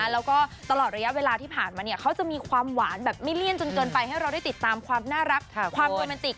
แล้วก็ตลอดระยะเวลาที่ผ่านมาเขาจะมีความหวานแบบไม่เลี่ยนจนเกินไปให้เราได้ติดตามความน่ารักความโรแมนติก